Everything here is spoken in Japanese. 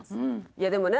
いやでもね